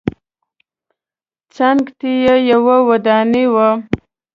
څنګ ته یې یوه ودانۍ وه.